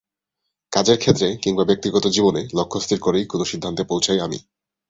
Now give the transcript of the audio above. কাজের ক্ষেত্রে কিংবা ব্যক্তিগত জীবনে লক্ষ্য স্থির করেই কোনো সিদ্ধান্তে পৌঁছাই আমি।